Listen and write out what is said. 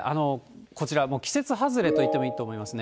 こちら、季節外れといってもいいと思いますね。